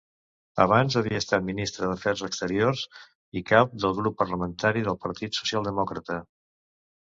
Abans havia estat ministra d'Afers Exteriors i cap del grup parlamentari del Partit Socialdemòcrata.